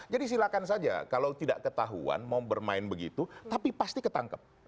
jadi silakan saja kalau tidak ketahuan mau bermain begitu tapi pasti ketangkep